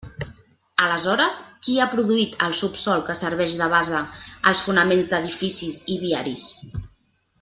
Aleshores, ¿qui ha produït el subsòl que serveix de base als fonaments d'edificis i viaris?